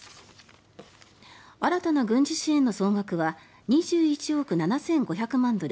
新たな軍事支援の総額は２１億７５００万ドル